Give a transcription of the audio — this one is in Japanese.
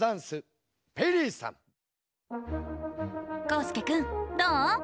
こうすけくんどう？